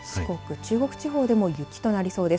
中国地方でも雪となりそうです。